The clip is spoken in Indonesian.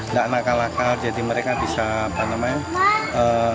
nggak nakal nakal jadi mereka bisa apa namanya